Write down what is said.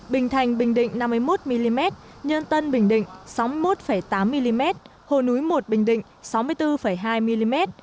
bình thành bình định năm mươi một mm nhân tân bình định sáu mươi một tám mm hồ núi một bình định sáu mươi bốn hai mm